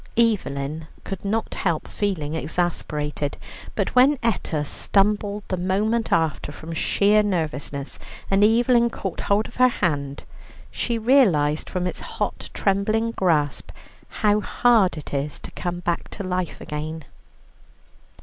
Evelyn could not help feeling exasperated, but when Etta stumbled the moment after from sheer nervousness, and Evelyn caught hold of her hand, she realized from its hot trembling grasp how hard it is to come back to life again.